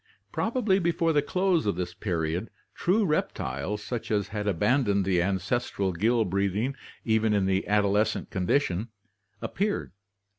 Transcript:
Probably before the close of this period true rep tiles, such as had abandoned the ancestral gill breathing even in the adolescent condition, appeared.